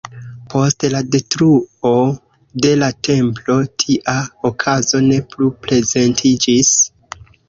Post la detruo de la Templo tia okazo ne plu prezentiĝis.